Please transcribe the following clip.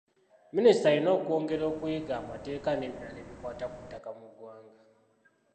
Minisita alina okwongera okuyiga amateeka n’ebirala ebikwata ku ttaka mu ggwanga.